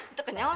itu kenalnya oh